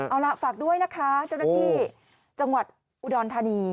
เอาล่ะฝากด้วยนะคะเจ้าหน้าที่จังหวัดอุดรธานี